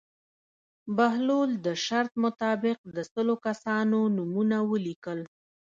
بهلول د شرط مطابق د سلو کسانو نومونه ولیکل.